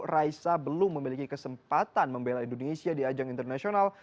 raisa belum memiliki kesempatan membela indonesia di ajang internasional